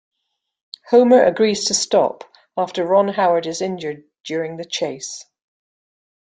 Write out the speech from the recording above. Homer agrees to stop after Ron Howard is injured during the chase.